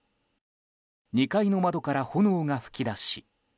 ２階の窓から炎が噴き出し